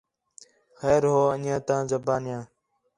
خیر ہو آنتیاں زبانیاں